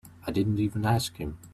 I didn't even ask him.